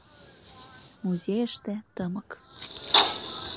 Музейыште — тымык.